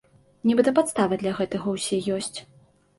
Нібыта падставы для гэтага ўсе ёсць.